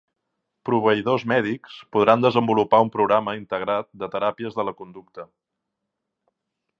Proveïdors mèdics podran desenvolupar un programa integrat de teràpies de la conducta.